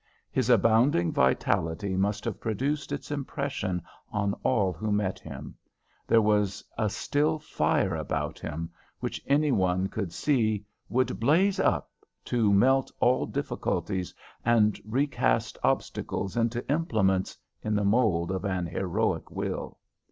His abounding vitality must have produced its impression on all who met him; there was a still fire about him which any one could see would blaze up to melt all difficulties and recast obstacles into implements in the mould of an heroic will.